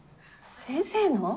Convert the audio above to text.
先生の？